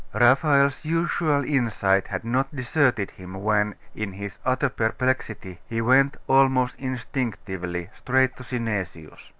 Raphael's usual insight had not deserted him when, in his utter perplexity, he went, almost instinctively, straight to Synesius.